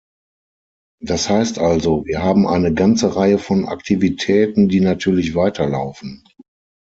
Das heißt also, wir haben eine ganze Reihe von Aktivitäten, die natürlich weiterlaufen.